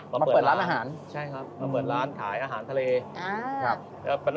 มาเปิดร้านอาหารใช่ครับมาเปิดร้านขายอาหารทะเลอ่าครับ